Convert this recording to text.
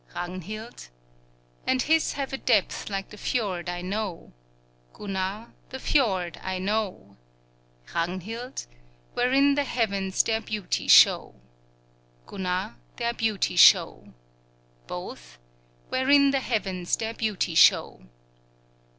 Ragnhild And his have a depth like the fjord, I know, Gunnar The fjord, I know; Ragnhild Wherein the heavens their beauty show, Gunnar Their beauty show; Both Wherein the heavens their beauty show.